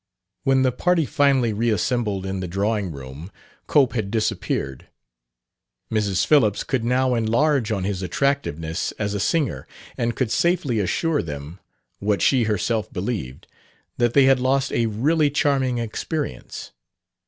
When the party finally reassembled in the drawing room Cope had disappeared. Mrs. Phillips could now enlarge on his attractiveness as a singer, and could safely assure them what she herself believed that they had lost a really charming experience.